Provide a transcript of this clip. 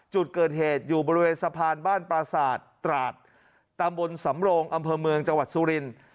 จุดเกิดเหตุอยู่บริเวณสะพานบ้านปราศาสตร์ตราดตำบลสำโรงอำเภอเมืองจังหวัดสุรินทร์